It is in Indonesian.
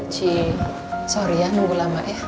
ci sorry ya nunggu lama ya